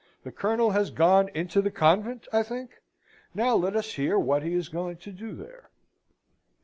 The Colonel has gone into the convent, I think? Now let us hear what he is going to do there."